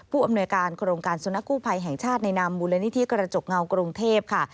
อำนวยการโครงการสุนัขกู้ภัยแห่งชาติในนามมูลนิธิกระจกเงากรุงเทพค่ะ